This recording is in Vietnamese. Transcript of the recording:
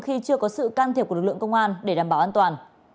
khi chưa có sự can thiệp của lực lượng công an để đảm bảo an toàn